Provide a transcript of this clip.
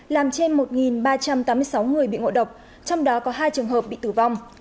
làm trên một ba trăm tám mươi sáu người bị ngộ độc trong đó có hai trường hợp bị tử vong